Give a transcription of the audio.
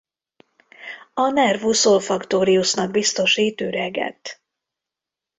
A nervus olfactorius-nak biztosít üreget.